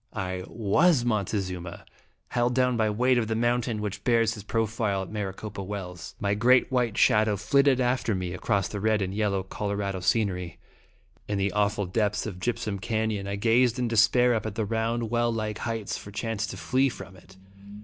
I was Montezuma, held down by weight of the mountain which bears his profile at Maricopa Wells. My great white shadow flitted after me across the red and yellow of Colorado scenery. In the aw ful depths of Gypsum Canon, I gazed in de spair up at the round, well like heights for chance to flee from It.